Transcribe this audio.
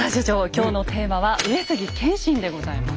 今日のテーマは「上杉謙信」でございます。